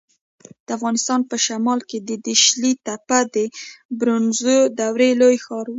د افغانستان په شمال کې د داشلي تپه د برونزو دورې لوی ښار و